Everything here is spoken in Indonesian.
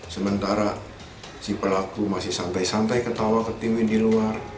sementara si pelaku masih santai santai ketawa ketiwin di luar